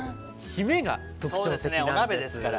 締めが特徴的なんです。